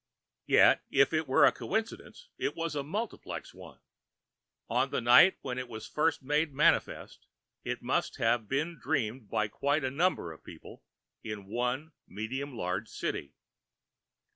Yet, if it were a coincidence, it was a multiplex one. On the night when it was first made manifest it must have been dreamed by quite a number of people in one medium large city.